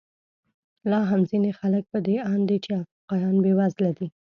لا هم ځینې خلک په دې اند دي چې افریقایان بېوزله دي.